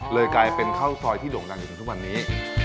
กลายเป็นข้าวซอยที่โด่งดังอยู่จนทุกวันนี้